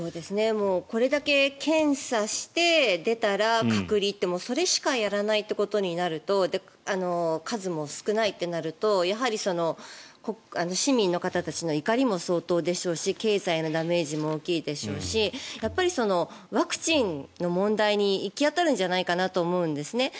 もうこれだけ検査して出たら隔離ってそれしかやらないということになると数も少ないとなるとやはり、市民の方たちの怒りも相当でしょうし経済のダメージも大きいでしょうしやっぱりワクチンの問題に行き当たるんじゃないかなと思うんですね。